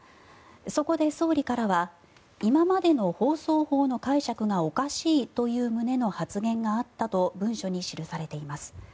そこで総理からは今までの放送法の解釈がおかしいという旨の発言があったと文書に記されています。